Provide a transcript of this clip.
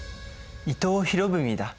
伊藤博文だ。